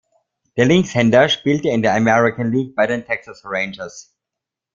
Der Linkshänder spielte in der American League bei den Texas Rangers.